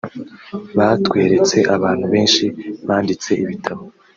batweretse abantu benshi banditse ibitabo